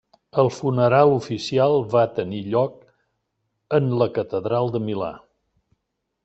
El funeral oficial va tenir lloc en la catedral de Milà.